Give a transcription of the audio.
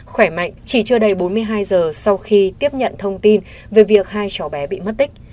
khỏe mạnh chỉ chưa đầy bốn mươi hai giờ sau khi tiếp nhận thông tin về việc hai cháu bé bị mất tích